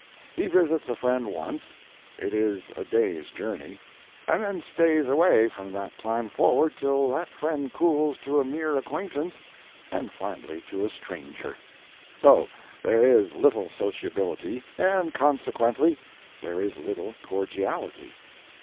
He visits a friend once—it is a day's journey—and then stays away from that time forward till that friend cools to a mere acquaintance, and finally to a stranger. So there is little sociability, and, consequently, there is little cordiality.